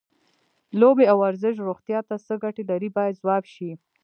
لوبې او ورزش روغتیا ته څه ګټې لري باید ځواب شي.